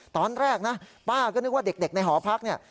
ตอนแรกนะป้าก็นึกว่าเด็กในหอพักเนี่ย